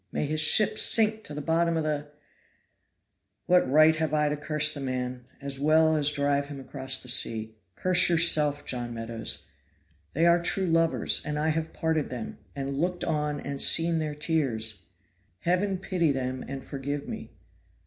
may his ship sink to the bottom of the . What right have I to curse the man, as well as drive him across the sea? Curse yourself, John Meadows. They are true lovers, and I have parted them, and looked on and seen their tears. Heaven pity them and forgive me.